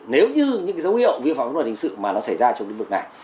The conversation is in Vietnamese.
nếu như những dấu hiệu viêm pháp luật hình sự mà nó xảy ra trong lĩnh vực này